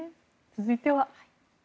続いては。